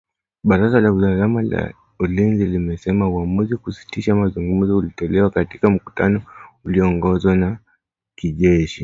Baraza la usalama na ulinzi limesema uamuzi kusitisha mzungumzo ulitolewa katika mkutano ulioongozwa na kiongozi wa kijeshi.